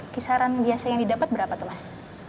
kisaran biasa yang didapat berapa tuh mas